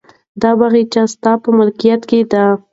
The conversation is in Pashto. دا باغچه ستا په ملکیت کې ده.